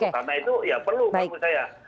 karena itu perlu menurut saya